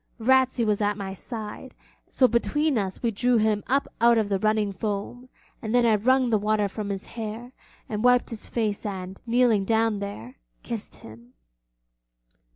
Ratsey was at my side, and so between us we drew him up out of the running foam, and then I wrung the water from his hair, and wiped his face and, kneeling down there, kissed him.